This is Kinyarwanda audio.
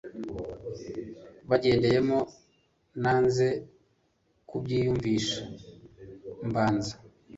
bagendeyemo nanze kubyiyumvisha mbanza